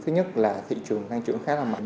thứ nhất là thị trường tăng trưởng khá là mạnh